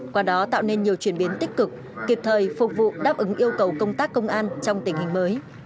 qua đó tạo nên nhiều chuyển biến tích cực kịp thời phục vụ đáp ứng yêu cầu công tác công an trong tình hình mới